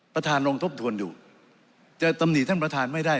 ท่านลองทบทวนดูจะตำหนิท่านประธานไม่ได้